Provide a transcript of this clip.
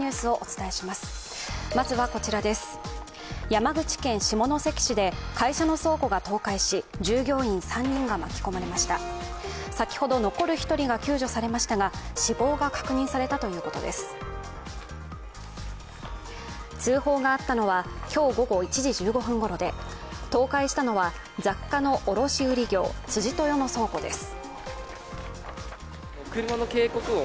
通報があったのは今日午後１時１５分ごろで倒壊したのは雑貨の卸売業、辻豊の倉庫です。